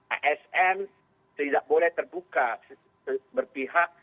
asn tidak boleh terbuka berpihak